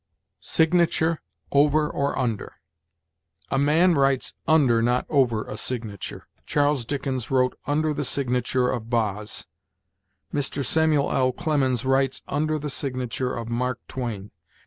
SIGNATURE, OVER OR UNDER? A man writes under, not over, a signature. Charles Dickens wrote under the signature of "Boz"; Mr. Samuel L. Clemens writes under the signature of "Mark Twain."